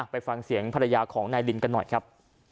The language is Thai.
ไปฟังเสียงภรรยาของนายลินกันหน่อยครับ